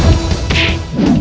aduh kayak gitu